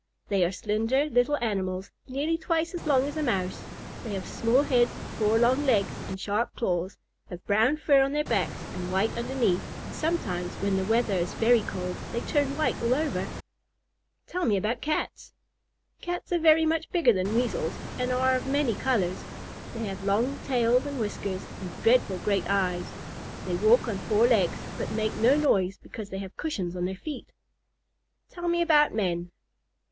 "They are slender little animals, nearly twice as long as a Mouse. They have small heads, four short legs, and sharp claws; have brown fur on their backs and white underneath, and sometimes, when the weather is very cold, they turn white all over." "Tell me about Cats." "Cats are very much bigger than Weasels, and are of many colors. They have long tails and whiskers, and dreadful great eyes. They walk on four legs, but make no noise because they have cushions on their feet." "Tell me about men."